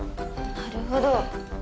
なるほど。